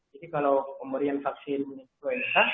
jadi kalau pemberian vaksin influenza